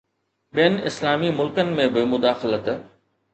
ٻين اسلامي ملڪن ۾ به مداخلت